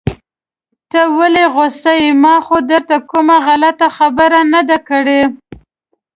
ته ولې غوسه يې؟ ما خو درته کومه غلطه خبره نده کړي.